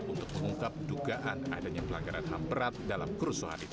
untuk mengungkap dugaan adanya pelanggaran ham berat dalam kerusuhan itu